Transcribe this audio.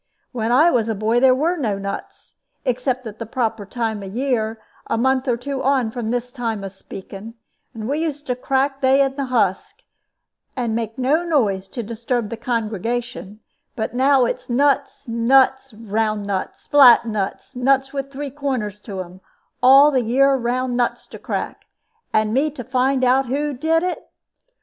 When I was a boy there was no nuts, except at the proper time of year, a month or two on from this time of speaking; and we used to crack they in the husk, and make no noise to disturb the congregation; but now it is nuts, nuts, round nuts, flat nuts, nuts with three corners to them all the year round nuts to crack, and me to find out who did it!"